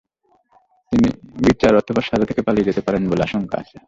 তিনি বিচার অথবা সাজা থেকে পালিয়ে যেতে পারেন বলে আশঙ্কা আছে।